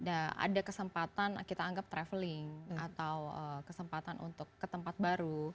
ada kesempatan kita anggap traveling atau kesempatan untuk ke tempat baru